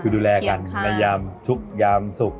อยู่กันมา๓๔ปีนะนะ